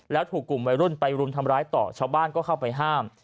แล้วถูกกลุ่มวัยรุ่นไปรุมทำร้ายต่อชาวบ้านก็เข้าไปห้าม